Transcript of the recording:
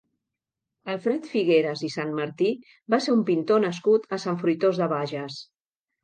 Alfred Figueras i Sanmartí va ser un pintor nascut a Sant Fruitós de Bages.